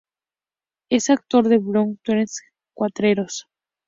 Es autor del blog The Cuatreros.